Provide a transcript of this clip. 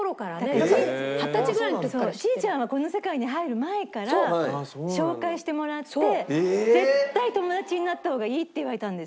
ちーちゃんはこの世界に入る前から紹介してもらって「絶対友達になった方がいい」って言われたんです。